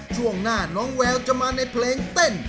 ช่วงหน้าน้องแววจะมาในเพลงเต้น